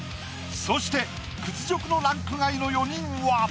そして屈辱のランク外の４人は？